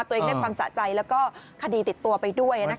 ตัวเองได้ความสะใจแล้วก็คดีติดตัวไปด้วย